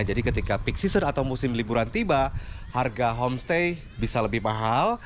jadi ketika peak season atau musim liburan tiba harga homestay bisa lebih mahal